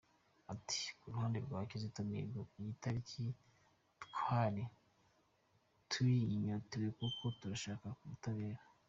Ati “Ku ruhande rwa Kizito Mihigo, iyi tariki twari tuyinyotewe kuko turashaka ubutabera.